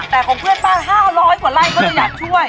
แต่ของเพื่อนบ้าน๕๐๐กว่าไร่ก็เลยอยากช่วย